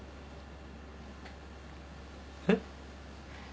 えっ？